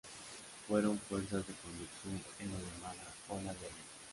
Fueron fuerzas de conducción en la llamada Ola Bergen.